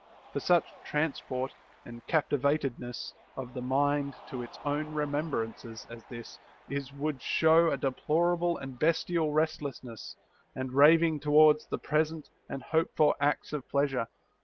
For such transport and captivatedness of the mind to its own remembrances as this is would show a deplorable and bestial restlessness and raving towards the present and hoped for acts of pleasure.